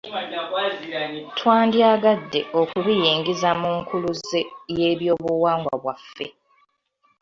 Twandyagadde okubiyingiza mu nkuluze y'ebyobuwangwa bwaffe.